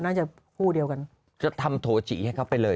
น่าจะคู่เดียวกันจะทำโถจิให้เขาไปเลย